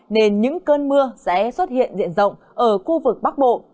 nên những cơn mưa sẽ xuất hiện diện rộng ở khu vực bắc bộ